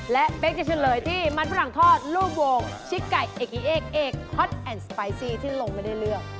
และเป๊กจะเฉลยที่มันฝรั่งทอดรูปวงชิกไก่เอกอีเอกเอกฮอตแอนด์สไปซี่ที่ลงไม่ได้เลือก